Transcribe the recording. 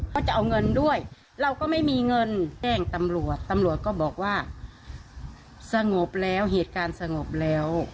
เขาจะเอาเงินด้วยเราก็ไม่มีเงินแจ้งตำลวจตำลวจก็บอกว่าสงบแล้ว